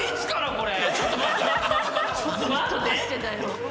これ。